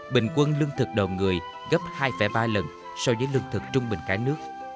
bình quân lương thực đầu người gấp hai ba lần so với lương thực trung bình cả nước